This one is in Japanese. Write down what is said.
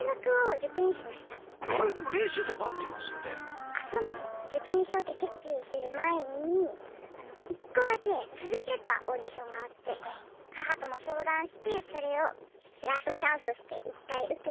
受験しようって決意する前に一個だけ続いてたオーディションがあって母とも相談してそれをラストチャンスとして一回受けて。